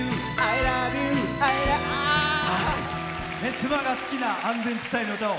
妻が好きな安全地帯の歌を。